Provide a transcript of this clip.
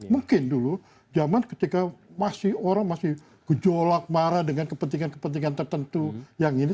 mungkin dulu zaman ketika orang masih gejolak marah dengan kepentingan kepentingan tertentu yang ini